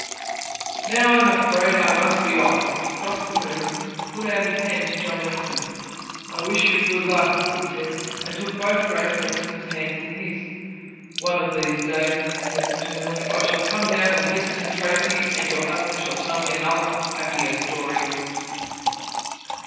"Now I am afraid I must be off," he crossed the room and put out his hand to John Lexman. "I wish you good luck," he said, and took both Grace Lexman's hands in his. "One of these days," he said paternally, "I shall come down to Beston Tracey and your husband shall tell me another and a happier story."